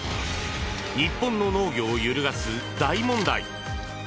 日本の農業を揺るがす大問題。